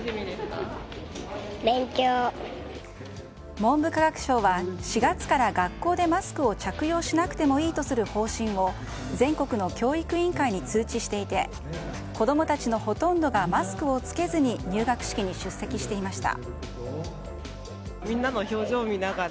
文部科学省は４月から学校でマスクを着用しなくてもいいとする方針を全国の教育委員会に通知していて子供たちのほとんどがマスクを着けずに入学式に出席していました。